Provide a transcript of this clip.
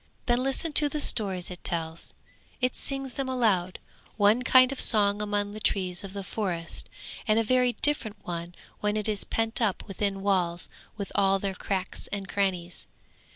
Then listen to the stories it tells; it sings them aloud, one kind of song among the trees of the forest, and a very different one when it is pent up within walls with all their cracks and crannies.